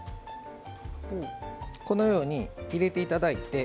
このように入れていただいて。